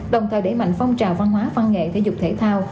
đồng thời đẩy mạnh phong trào văn hóa văn nghệ thể dục thể thao